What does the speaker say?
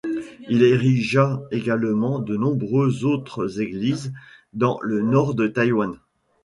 Il érigera également de nombreuses autres églises dans le Nord de Taïwan.